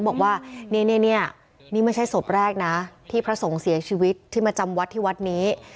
บอกว่านี่นี่ไม่ใช่ศพแรกนะที่พระสงฆ์เสียชีวิตที่มาจำวัดที่วัดนี้